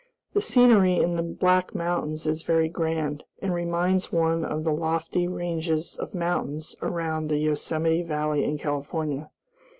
The scenery in the Black Mountains is very grand, and reminds one of the lofty ranges of mountains around the Yosemite Valley in California.